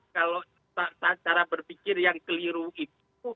kalau cara berpikir yang keliru itu